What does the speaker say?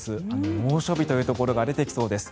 猛暑日というところが出てきそうです。